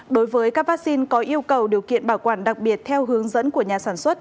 đối với các vaccine có yêu cầu điều kiện bảo quản đặc biệt theo hướng dẫn của nhà sản xuất